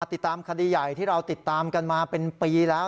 ติดตามคดีใหญ่ที่เราติดตามกันมาเป็นปีแล้ว